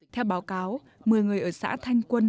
theo báo cáo một mươi người ở xã thanh quân